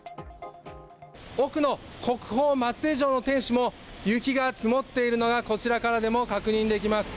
奥の国宝、松江城の天守も、雪が積もっているのがこちらからでも確認できます。